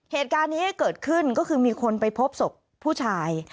เหตุการณ์นี้เกิดขึ้นก็คือมีคนไปพบศพผู้ชาย